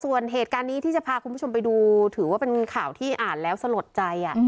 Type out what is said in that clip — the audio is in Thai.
ส่วนเหตุการณ์นี้ที่จะพาคุณผู้ชมไปดูถือว่าเป็นข่าวที่อ่านแล้วสลดใจ